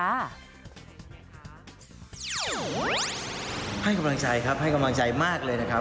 ให้กำลังใจครับให้กำลังใจมากเลยนะครับ